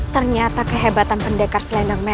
jangan sampai kau menyesal sudah menentangku